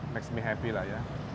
max me happy lah ya